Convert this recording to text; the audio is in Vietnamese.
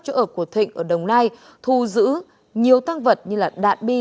chỗ ở của thịnh ở đồng nai thu giữ nhiều tăng vật như đạn bi